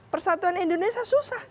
persatuan indonesia susah